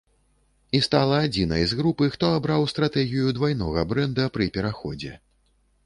І стала адзінай з групы, хто абраў стратэгію двайнога брэнда пры пераходзе.